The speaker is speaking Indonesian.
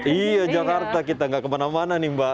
iya jakarta kita nggak kemana mana nih mbak